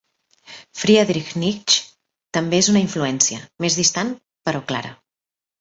Friedrich Nietzsche també és una influència, més distant, però clara.